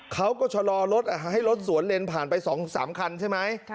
เขาก็ชะลอรถให้รถสวนเลนผ่านไป๒๓คันใช่ไหม